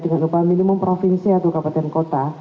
dengan upah minimum provinsi atau kabupaten kota